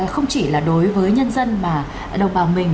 không chỉ là đối với nhân dân mà đồng bào mình